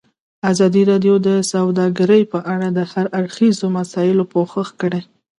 ازادي راډیو د سوداګري په اړه د هر اړخیزو مسایلو پوښښ کړی.